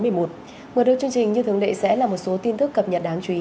một đôi chương trình như thường lệ sẽ là một số tin thức cập nhật đáng chú ý